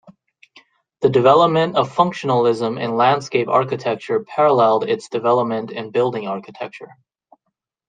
The development of functionalism in landscape architecture paralleled its development in building architecture.